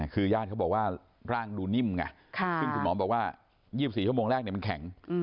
คือญาติเขาบอกว่าร่างดูนิ่มไงซึ่งคุณหมอบอกว่า๒๔ชั่วโมงแรกมันแข็ง